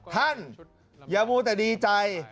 ท่านอย่ามัวแต่ดีใจ